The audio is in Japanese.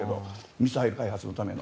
ミサイル開発のための。